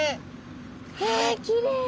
えきれい！